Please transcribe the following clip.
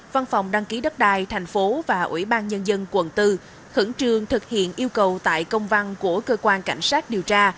văn phòng đăng ký đất đai tp và ủy ban nhân dân quận bốn khẩn trương thực hiện yêu cầu tại công văn của cơ quan cảnh sát điều tra